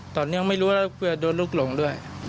ตอนนี้เขาไม่รู้ว่าเพื่อโดนลูกหลงด้วย